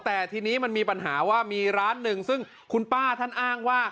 แต่ทีนี้มันมีปัญหาว่ามีร้านหนึ่งซึ่งคุณป้าท่านอ้างว่า